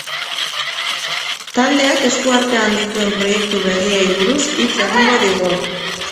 Taldeak, esku artean dituen proiektu berriei buruz hitz egingo digu.